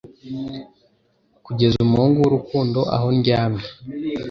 Kugeza umuhungu wurukundo aho ndyamye